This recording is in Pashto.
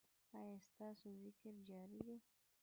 ایا ستاسو ذکر جاری دی؟